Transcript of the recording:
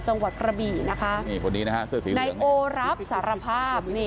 จังหวัดกระบี่นะคะในโอรับสารภาพ